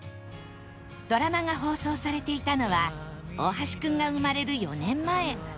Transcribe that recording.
ドラマが放送されていたのは大橋君が生まれる４年前